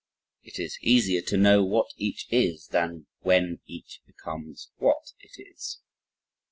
It is easier to know what each is than when each becomes what it is.